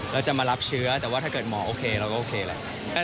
เราจะมารับเชื้อแต่ว่าถ้าเกิดหมอโอเคเราก็โอเคแหละ